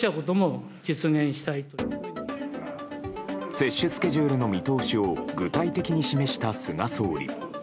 接種スケジュールの見通しを具体的に示した菅総理。